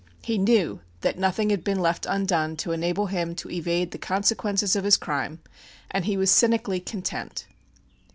He knew that nothing had been left undone to enable him to evade the consequences of his crime, and he was cynically content.